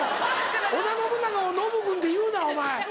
織田信長をノブ君って言うなお前！